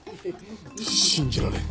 信じられん。